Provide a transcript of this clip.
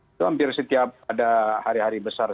itu hampir setiap ada hari hari besar